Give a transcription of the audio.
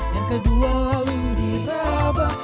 yang kedua lalu diterawang